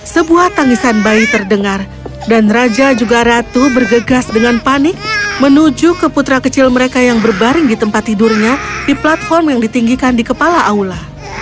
sebuah tangisan bayi terdengar dan raja juga ratu bergegas dengan panik menuju ke putra kecil mereka yang berbaring di tempat tidurnya di platform yang ditinggikan di kepala aula